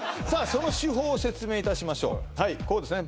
その手法を説明いたしましょうはいこうですね